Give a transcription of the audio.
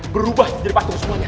berubah jadi patung semuanya